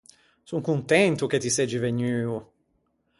Son contento che ti seggi vegnuo.